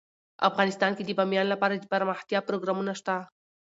افغانستان کې د بامیان لپاره دپرمختیا پروګرامونه شته.